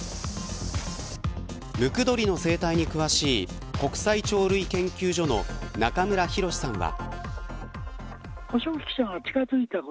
ムクドリの生態に詳しい国際鳥類研究所の中村浩志さんは。